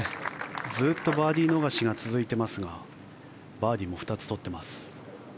ずっとバーディー逃しが続いていますがバーディーも２つ取っています。